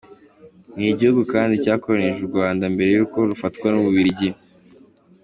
Ni igihugu kandi cyakoroneje u Rwanda mbere y’uko rufatwa n’u Bubiligi.